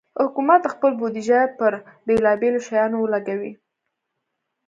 حکومت خپل بودیجه پر بېلابېلو شیانو ولګوي.